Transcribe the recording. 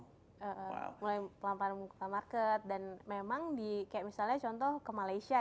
mulai pelan pelan buka market dan memang di kayak misalnya contoh ke malaysia